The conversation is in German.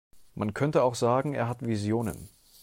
Man könnte auch sagen, er hat Visionen.